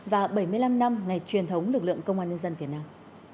và bảy mươi năm năm ngày truyền thống lực lượng công an nhân dân việt nam